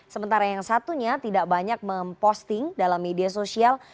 sementara yang satunya tidak banyak memposting dalam media sosial